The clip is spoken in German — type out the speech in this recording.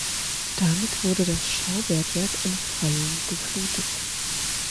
Damit wurde das Schaubergwerk in Freiung geflutet.